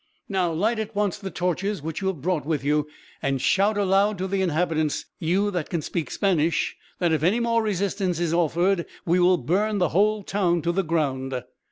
"Now, light at once the torches which you have brought with you, and shout aloud to the inhabitants, you that can speak Spanish, that if any more resistance is offered, we will burn the whole town to the ground."